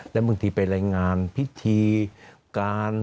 แล้วบางทีไปรายงานพิธีการ